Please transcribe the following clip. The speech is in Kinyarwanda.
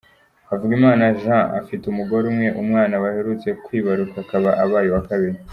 Havugimana Jean afite umugore umwe, umwana baherutse kwibaruka akaba abaye uwa kabiri.